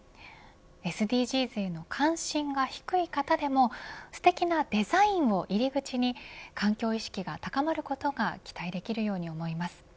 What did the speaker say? ＳＤＧｓへの関心が低い方でもすてきなデザインを入り口に環境意識が高まることが期待できるように思います。